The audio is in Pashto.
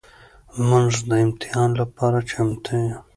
مونږ د امتحان لپاره چمتو يو.